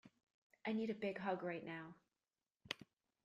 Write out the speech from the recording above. I need a big hug right now.